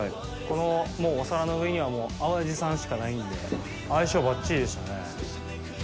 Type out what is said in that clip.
このお皿の上には、もう淡路産しかないので、相性バッチリでしたね。